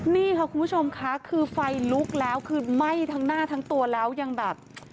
นี่ค่ะคุณผู้ชมค่ะคือไฟลุกแล้วคือไหม้ทั้งหน้าทั้งตัวแล้วยังแบบ